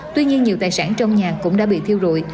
tuy nhiên nhiều tài sản trong nhà cũng đã bị thiêu rụi